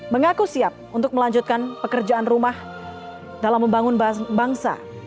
mengaku siap untuk melanjutkan pekerjaan rumah dalam membangun bangsa